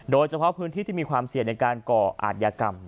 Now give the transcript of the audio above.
โดยเฉพาะพื้นที่ที่มีความเสี่ยงในการก่ออาจยากรรม